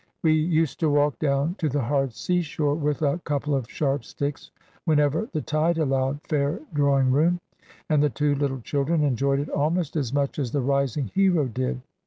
We used to walk down to the hard sea shore, with a couple of sharp sticks, whenever the tide allowed fair drawing room. And the two little children enjoyed it almost as much as the rising hero did.